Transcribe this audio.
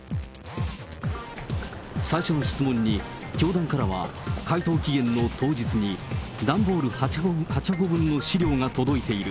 最初の質問に教団からは、回答期限の当日に、段ボール８箱分の資料が届いている。